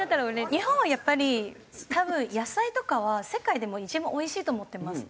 日本はやっぱり多分野菜とかは世界でも一番おいしいと思ってます。